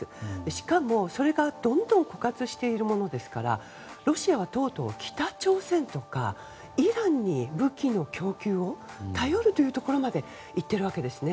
しかも、それがどんどん枯渇しているものですからロシアはとうとう北朝鮮とかイランに武器の供給を頼るところまでいっているわけですね。